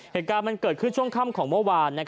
เหตุการณ์มันเกิดขึ้นช่วงค่ำของเมื่อวาน